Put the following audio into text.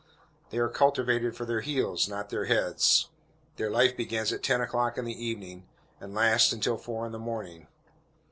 They are cultivated for their heels, not their heads. Their life begins at ten o'clock in the evening, and lasts until four in the morning.